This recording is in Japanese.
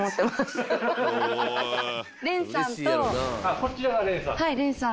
こちらが蓮さん。